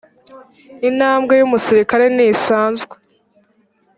intambwe yumusirikare ntisanzwe.